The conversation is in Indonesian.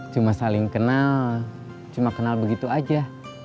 cuma saling kenal cuma kenal begitu aja